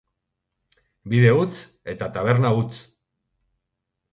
Bide huts eta taberna huts.